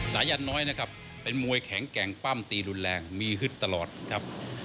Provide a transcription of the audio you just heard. สายันน้อยนะครับเป็นมวยแข็งแกร่งปั้มตีรุนแรงมีฮึดตลอดครับ